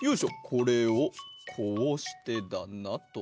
これをこうしてだなと。